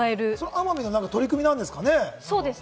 奄美の取り組みがあるんですかね？